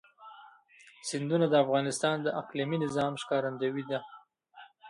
سیندونه د افغانستان د اقلیمي نظام ښکارندوی ده.